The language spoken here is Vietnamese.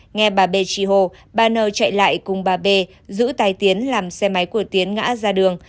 nghe bà b chi hô bà n chạy lại cùng bà b giữ tay tiến làm xe máy của tiến ngã ra đường